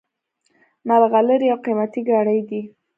ملغلرې یو قیمتي کاڼی دی